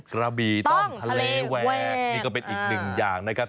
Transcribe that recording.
กระบี่ต้องทะเลแหวกนี่ก็เป็นอีกหนึ่งอย่างนะครับ